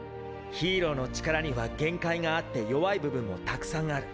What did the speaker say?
ヒーローの力には限界があって弱い部分もたくさんある。